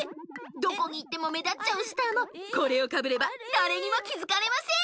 どこにいってもめだっちゃうスターもこれをかぶればだれにもきづかれません。